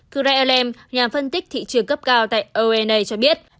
craig ellam nhà phân tích thị trường cấp cao tại ona cho biết